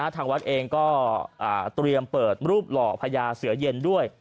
ทางวัดเองก็เตรียมเปิดรูปหล่อพญาเสือเย็นด้วย